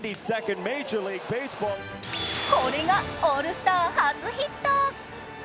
これがオールスター初ヒット。